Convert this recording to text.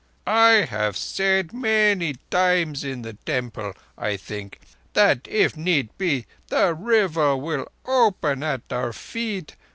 "I have said many times—in the Temple, I think—that if need be, the River will open at our feet.